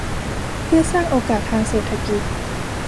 เพื่อสร้างโอกาสทางเศรษฐกิจ